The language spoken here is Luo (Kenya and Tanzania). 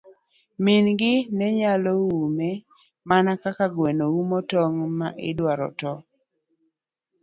Min gi nenyalo ume mana kaka gweno umo tong' ma odwaro toyo.